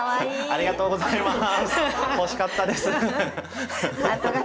ありがとうございます。